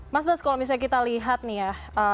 mas bas kalau misalnya kita lihat nih ya